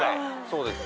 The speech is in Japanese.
そうです。